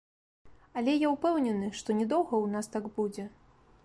Але я ўпэўнены, што не доўга ў нас так будзе.